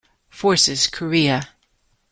Forces Korea.